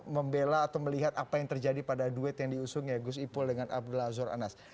membela atau melihat apa yang terjadi pada duet yang diusung ya gus ipul dengan abdullah zor anas